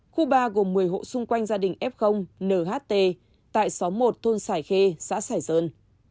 khu ba gồm một mươi hộ xung quanh gia đình f nht tại xóm một thôn sải khê xã sài sơn